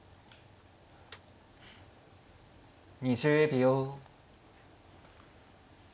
２０秒。